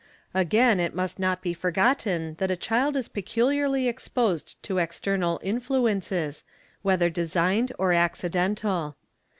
Again it must not be forgotten that a child is peculiarly exposed | to external influences, whether designed or accidental.